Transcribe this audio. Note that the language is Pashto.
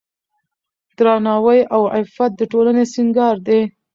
درناوی او عفت د ټولنې سینګار دی.